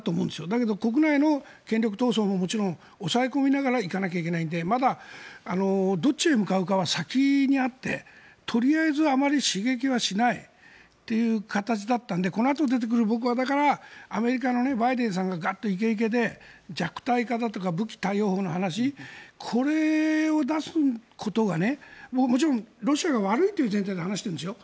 だけど、国内の権力闘争ももちろん抑え込みながらいかなきゃいけないのでまだどっちへ向かうかは先にあってとりあえず、あまり刺激はしないという形だったのでこのあと、出てくる僕はだからバイデンさんがガッと、いけいけで弱体化だとか武器貸与法の話これを出すことがもちろんロシアが悪いという前提の話ですよ。